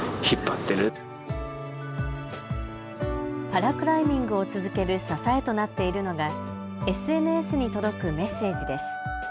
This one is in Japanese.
パラクライミングを続ける支えとなっているのがＳＮＳに届くメッセージです。